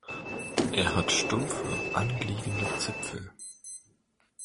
Er hat stumpfe anliegende Zipfel.